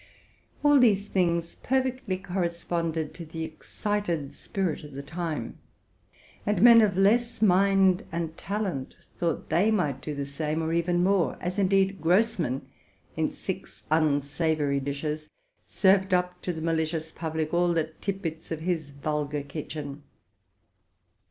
All these things perfectly corresponded to the excited spint of the time; and men of less mind and talent thought they might do the same, or even more: as indeed Grossmann, in six unsavory dishes, served up to the malicious public all the tidbits of his vulgar kitchen.